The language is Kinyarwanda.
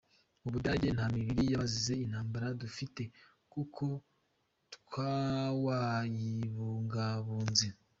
Mu Budage nta mibiri y’abazize intambara dufite kuko ntawayibungabunze.